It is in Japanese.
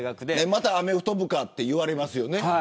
またアメフト部かって言われますよね。